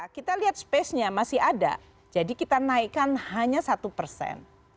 kita lihat space nya masih ada jadi kita naikkan hanya satu persen